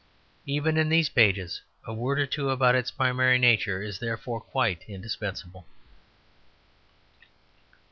Even in these pages a word or two about its primary nature is therefore quite indispensable.